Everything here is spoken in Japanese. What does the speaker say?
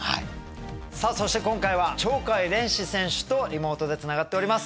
さあそして今回は鳥海連志選手とリモートでつながっております。